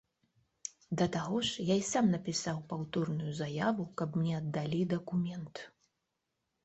Да таго ж, і я сам напісаў паўторную заяву, каб мне аддалі дакумент.